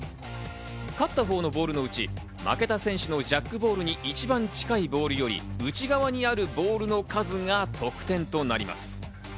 勝ったほうのボールのうち、負けた選手のジャックボールに一番近いボールより内側にあるボールの数が得点となります。